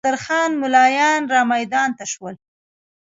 نادر خان ملایان رامیدان ته شول.